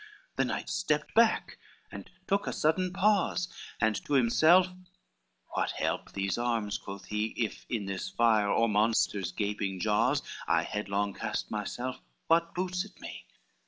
XXXIV The knight stepped back and took a sudden pause, And to himself, "What help these arms?" quoth he, "If in this fire, or monster's gaping jaws I headlong cast myself, what boots it me?